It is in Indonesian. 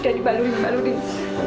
dari balurin balurin